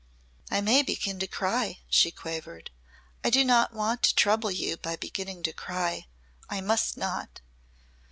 "I may begin to cry," she quavered. "I do not want to trouble you by beginning to cry. I must not."